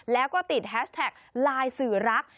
แล้วก็ติดแฮชแท็กไลน์สื่อรัก